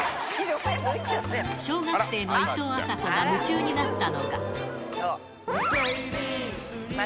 小学生のいとうあさこが夢中になったのが。